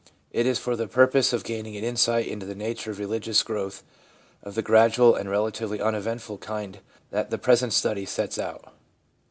It is for the pur pose of gaining an insight into the nature of religious growth of the gradual and relatively uneventful kind that the present study sets out.